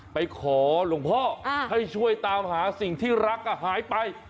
ไปขอหลวงพ่อให้ช่วยตามหาสิ่งที่รักหายไป